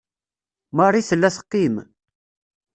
Marie tella teqqim.